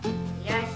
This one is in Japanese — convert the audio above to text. よし。